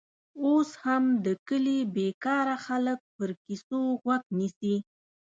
اوس هم د کلي بېکاره خلک پر کیسو غوږ نیسي.